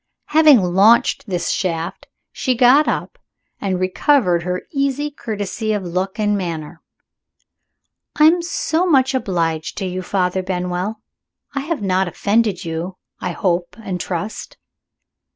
Having launched this shaft, she got up, and recovered her easy courtesy of look and manner. "I am so much obliged to you, Father Benwell. I have not offended you, I hope and trust?"